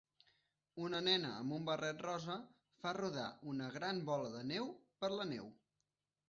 una nena amb un barret rosa fa rodar una gran bola de neu per la neu